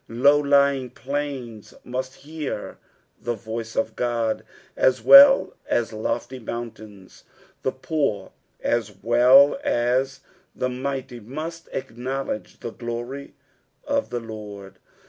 Low lying plains must hear the voice of Qod aa well aa lofty mountaioa ; the poor sa well as the mighty must acknowledge the glory of the Lord.